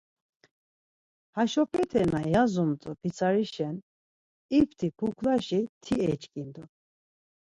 Haşopete na yazumt̆u pitsarişen ipti kuklaşi ti eçkindu.